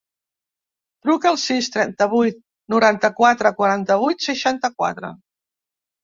Truca al sis, trenta-vuit, noranta-quatre, quaranta-vuit, seixanta-quatre.